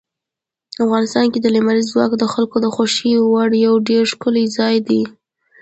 افغانستان کې لمریز ځواک د خلکو د خوښې وړ یو ډېر ښکلی ځای دی.